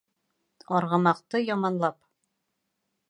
Арғымаҡты яманлап